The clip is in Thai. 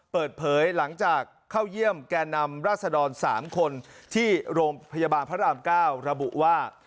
เปิดเผยหลังจากเข้าเยี่ยมแก่นำราศดร๓คนที่โรงพยาบาลพระราม๙ระบุว่า